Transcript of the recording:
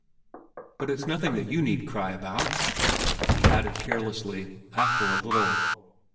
"But it's nothing that you need cry about," he added carelessly, after a little.